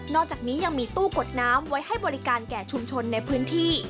อกจากนี้ยังมีตู้กดน้ำไว้ให้บริการแก่ชุมชนในพื้นที่